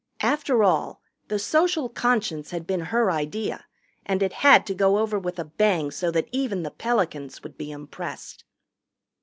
After all, the Social Conscience had been her idea, and it had to go over with a bang so that even the Pelicans would be impressed.